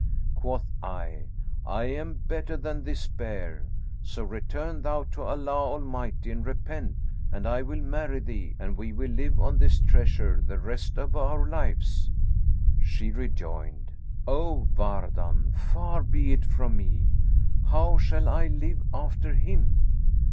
Quoth I, 'I am better than this bear: so return thou to Allah Almighty and repent, and I will marry thee, and we will live on this treasure the rest of our lives.' She rejoined, 'O Wardan, far be it from me! How shall I live after him?